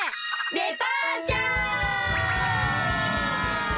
デパーチャー！